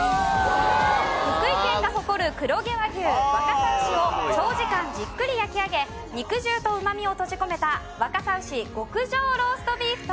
福井県が誇る黒毛和牛若狭牛を長時間じっくり焼き上げ肉汁とうまみを閉じ込めた若狭牛極上ローストビーフと。